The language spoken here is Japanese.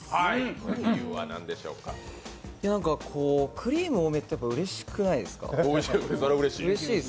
クリーム多めってやっぱうれしくないですか？